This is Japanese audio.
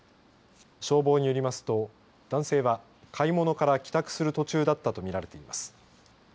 消防によりますと男性は買い物から帰宅する途中だったとみられています。